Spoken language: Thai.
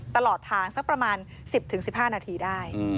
ตลอดทางสักประมาณ๑๐๑๕นาทีได้